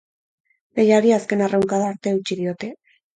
Lehiari azken arraunkada arte eutsi diote.